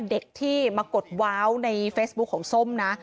เด็กที่มากดว้าวในเฟซบุ๊คของส้มนะ